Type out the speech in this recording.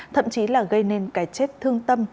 thậm chí là gây nên cái chết thương tâm